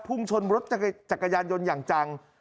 พุ่งชนรถจักรยานยนต์อย่างจัง